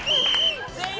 全員！